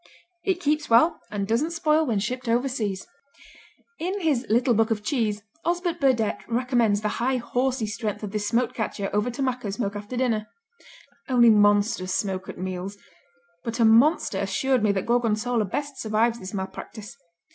It keeps well and doesn't spoil when shipped overseas. In his Little Book of Cheese Osbert Burdett recommends the high, horsy strength of this smoked Cacio over tobacco smoke after dinner: Only monsters smoke at meals, but a monster assured me that Gorgonzola best survives this malpractice.